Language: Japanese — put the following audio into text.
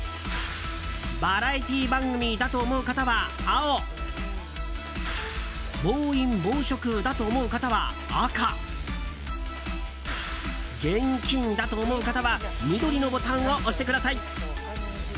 バラエティー番組だと思う方は青暴飲暴食だと思う方は赤現金だと思う方は緑のボタンを押してください。